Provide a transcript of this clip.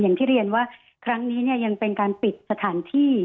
อย่างที่เรียนว่าครั้งนี้เนี่ยยังเป็นการปิดสถานที่